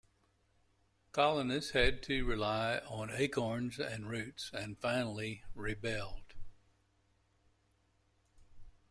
Colonists had to rely on acorns and roots and finally rebelled.